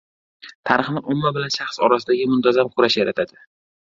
• Tarixni omma bilan shaxs orasidagi muntazam kurash yaratadi.